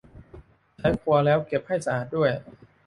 ใช้ครัวแล้วเก็บให้สะอาดด้วย